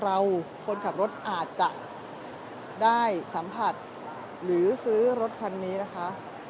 คนขับรถอาจจะได้สัมผัสหรือซื้อรถคันนี้นะคะ